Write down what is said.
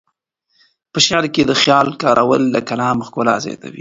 په شعر کې د خیال کارول د کلام ښکلا زیاتوي.